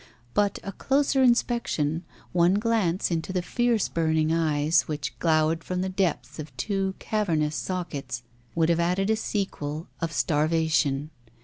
But a closer inspection, one glance into the fierce burning eyes, which glowered from the depths of two cavernous sockets, would have added a sequel of starvation.